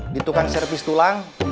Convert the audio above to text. ditukang servis tulang